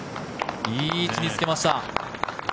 いい位置につけました。